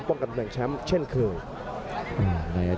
ทุกคนค่ะ